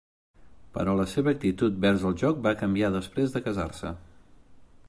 Però la seva actitud vers el joc va canviar després de casar-se.